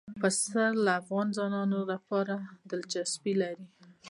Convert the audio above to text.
پسه د افغان ځوانانو لپاره دلچسپي لري.